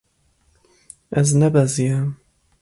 Ez nebeziyam.